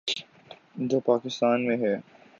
جو پاکستان میں ہے۔